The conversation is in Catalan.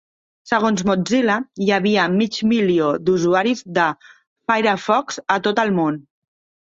Segons Mozilla, hi havia mig bilió d'usuaris de Firefox a tot el món.